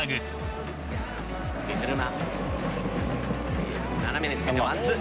水沼斜めにつけてワンツー。